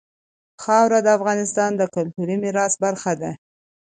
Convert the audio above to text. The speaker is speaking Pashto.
خاوره د افغانستان د کلتوري میراث برخه ده.